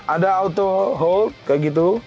ada auto hold kayak gitu